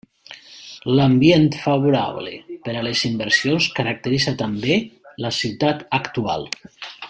L'ambient favorable per a les inversions caracteritza també la ciutat actual.